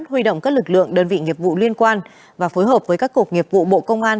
huy động các lực lượng đơn vị nghiệp vụ liên quan và phối hợp với các cuộc nghiệp vụ bộ công an